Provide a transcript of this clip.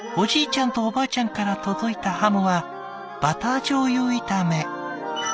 ちゃんとおばあちゃんから届いたハムはバター醤油炒め。